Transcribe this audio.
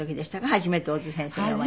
初めて小津先生にお会いに。